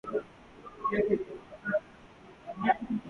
قسمت اور حالات کے مارے سائلین رجسٹری کے سامنے جمع ہوتے۔